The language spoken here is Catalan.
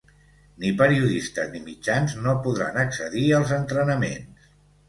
Ni periodistes ni mitjans no podran accedir als entrenaments.